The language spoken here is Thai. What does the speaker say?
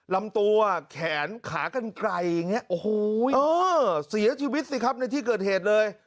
ลำตัวแขนขากันไกลอย่างนี้โอ้โหเสียชีวิตสิครับในที่เกิดเหตุเลย